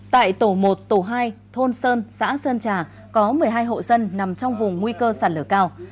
tại tổ một tổ hai thôn sơn xã sơn trà có một mươi hai hộ sân nằm trong vùng nguy cơ sản lửa cao